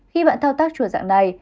khi bạn thao tác chuột dạng này